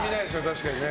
確かにね。